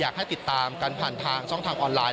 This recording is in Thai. กันผ่านทางช่องทางออนไลน์